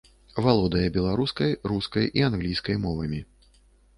Валодае беларускай, рускай і англійскай мовамі.